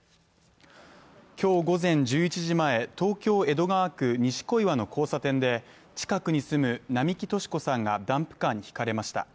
今日午前１１時前、東京・江戸川区西小岩の交差点で近くに住む並木敏子さんがダンプカーにひかれました。